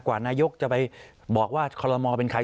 กว่านายกจะไปบอกว่าคอลโลมอลเป็นใคร